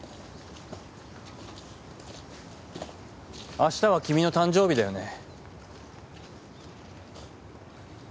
あしたは君の誕生日だよね。